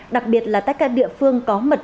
đặc biệt là tất cả địa phương có mật